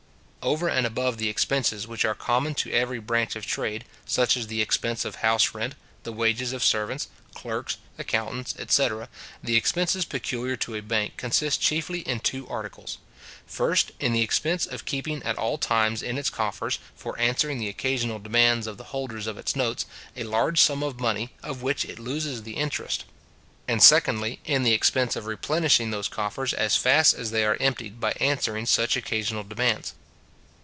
Over and above the expenses which are common to every branch of trade, such as the expense of house rent, the wages of servants, clerks, accountants, etc. the expenses peculiar to a bank consist chiefly in two articles: first, in the expense of keeping at all times in its coffers, for answering the occasional demands of the holders of its notes, a large sum of money, of which it loses the interest; and, secondly, in the expense of replenishing those coffers as fast as they are emptied by answering such occasional demands.